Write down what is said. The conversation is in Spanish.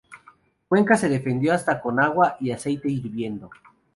Cuenca se defendió hasta con agua y aceite hirviendo.